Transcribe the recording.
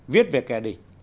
viết về kẻ địch